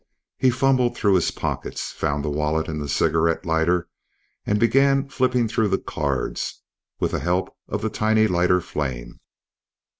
He fumbled through his pockets, found the wallet and the cigarette lighter and began flipping through the cards with the help of the tiny lighter flame.